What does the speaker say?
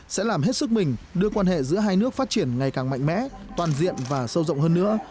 sẽ làm hết sức mình đưa quan hệ giữa hai nước phát triển ngày càng mạnh mẽ toàn diện và sâu rộng hơn nữa